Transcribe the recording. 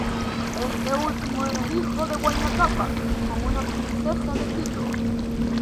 Este último era hijo de Huayna Cápac con una princesa de Quito.